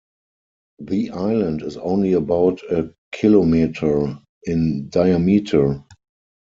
The island is only about a kilometre in diameter.